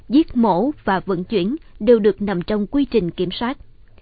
giết mổ và vận chuyển đều được nằm trong quy trình kiểm soát